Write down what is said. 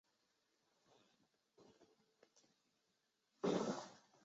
生产商品的劳动分为具体劳动和抽象劳动二重属性。